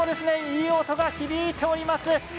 いい音が響いております。